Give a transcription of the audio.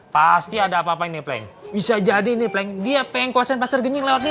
pasti ada apa apa ini bisa jadi ini dia pengkuasaan pasar genying lewati